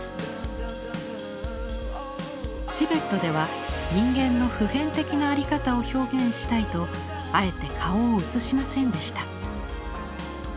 チベットでは人間の普遍的な在り方を表現したいとあえて顔を写しませんでした。